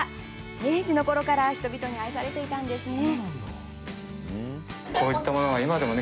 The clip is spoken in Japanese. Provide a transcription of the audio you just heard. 明治のころから人々に愛されていたんですね。